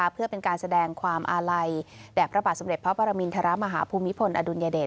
เพื่อเป็นการแสดงความอาลัยแด่พระบาทสมเด็จพระปรมินทรมาฮภูมิพลอดุลยเดช